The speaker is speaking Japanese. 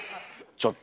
ちょっと。